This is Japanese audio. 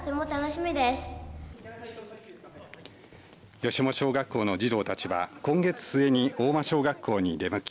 吉母小学校の児童たちは今月末に合馬小学校に出向き